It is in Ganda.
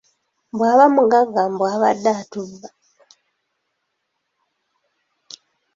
Bwaba mugagga mbu abadde atubba.